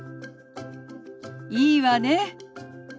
いいわね。